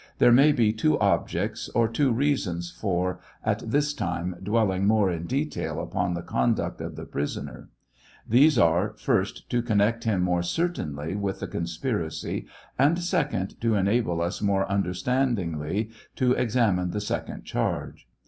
There may be two objects, or two veasons for, at this time, dwelling more in detail upon the conduct of the pris oner. These are, first to connect him more certainly with the conspiracy, and second, to enable us more understandingly to examine the second charge.